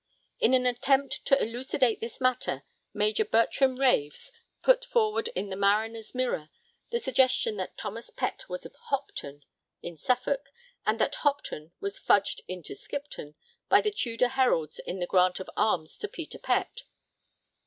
In an attempt to elucidate this matter, Major Bertram Raves put forward in the 'Mariner's Mirror' the suggestion 'that Thomas Pett was of Hopton, in Suffolk, and that Hopton was fudged into Skipton by the Tudor Heralds in the grant of arms to Peter Pett....